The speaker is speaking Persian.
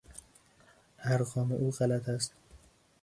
ارقام او غلط است.